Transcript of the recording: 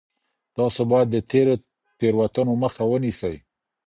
تاسو بايد د تېرو تېروتنو مخه ونيسئ.